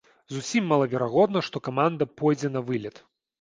Зусім малаверагодна, што каманда пойдзе на вылет.